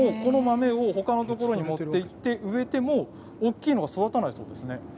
この豆をほかのところに持っていって植えても大きいものが育たないそうですね。